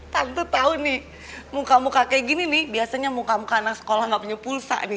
tapi tuh tau nih muka muka kayak gini nih biasanya muka muka anak sekolah gak punya pulsa nih